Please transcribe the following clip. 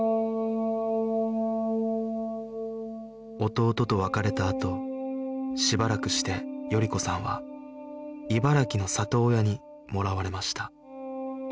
弟と別れたあとしばらくして賀子さんは茨城の里親にもらわれました